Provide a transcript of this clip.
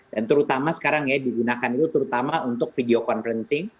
dan terutama sekarang ya digunakan itu terutama untuk video conferencing